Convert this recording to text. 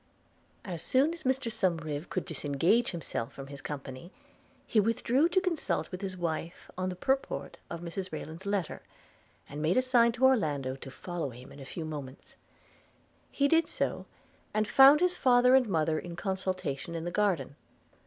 As soon as Mr Somerive could disengage himself from his company, he withdrew to consult with his wife on the purport of Mrs Rayland's letter, and made a sign to Orlando to follow him in a few moments. – He did so, and found his father and mother in consultation in the garden.